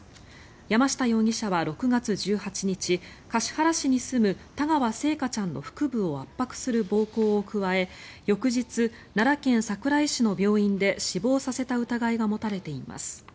山下容疑者は６月１８日橿原市に住む田川星華ちゃんの腹部を圧迫する暴行を加え翌日、奈良県桜井市の病院で死亡させた疑いが持たれています。